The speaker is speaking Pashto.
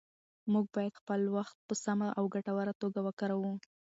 موږ باید خپل وخت په سمه او ګټوره توګه وکاروو